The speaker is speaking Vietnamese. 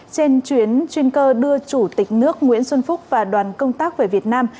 trên chuyến chuyên cơ đưa chủ tịch nước nguyễn xuân phúc và đoàn công tác về việt nam